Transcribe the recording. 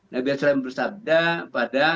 nabi saw bersabda pada